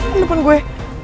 di depan gue